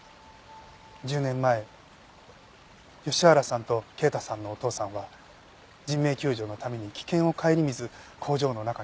１０年前吉原さんと慶太さんのお父さんは人命救助のために危険を顧みず工場の中に飛び込んでいきました。